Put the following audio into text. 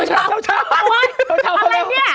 ง้วอะไรเนี่ย